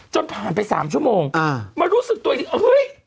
จนผ่านไป๓ชั่วโมงมารู้สึกตัวอีกทีเฮ้ย